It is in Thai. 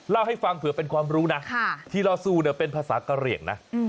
เล่าให้ฟังเผื่อเป็นความรู้นะที่เราสู้เนี่ยเป็นภาษากะเหลี่ยงนะ